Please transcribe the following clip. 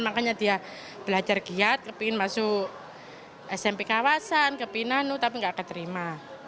makanya dia belajar giat kepingin masuk smp kawasan kepingin anu tapi tidak keterima